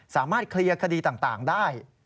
สามารถเคลียร์คดีต่างได้